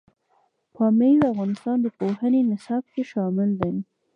پامیر د افغانستان د پوهنې نصاب کې شامل دي.